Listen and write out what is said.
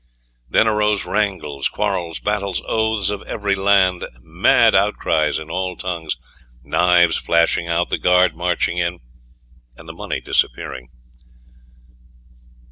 Then arose wrangles, quarrels, battles, oaths of every land, mad outcries in all tongues, knives flashing out, the guard marching in, and the money disappearing.